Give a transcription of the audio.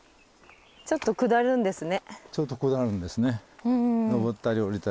ちょっと下るんですね。